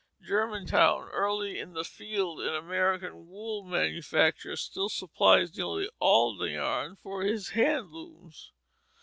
Germantown, early in the field in American wool manufacture, still supplies nearly all the yarn for his hand looms.